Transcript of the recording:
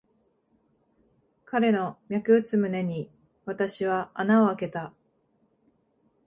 彼の脈打つ胸に、私は穴をあけた。